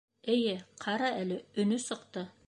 Эйе, ҡара әле, өнө сыҡты.